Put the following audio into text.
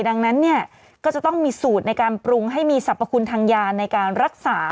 ดังนั้นเนี่ยก็จะต้องมีสูตรในการปรุงให้มีสรรพคุณทางยาในการรักษา